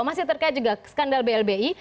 masih terkait juga skandal blbi